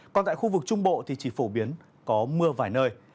còn tại khu vực trung bộ thì chỉ phổ biến có mưa vài nơi